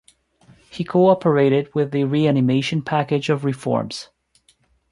He cooperated with the Reanimation Package of Reforms.